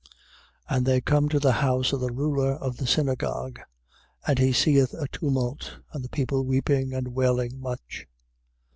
5:38. And they cone to the house of the ruler of the synagogue; and he seeth a tumult, and people weeping and wailing much.